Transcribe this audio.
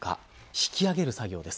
引き揚げる作業です。